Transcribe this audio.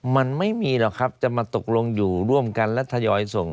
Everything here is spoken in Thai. มันไม่มีหรอกครับจะมาตกลงอยู่ร่วมกันและทยอยส่ง